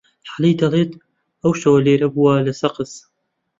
عەلی دەڵێت ئەو شەوە لێرە بووە لە سەقز.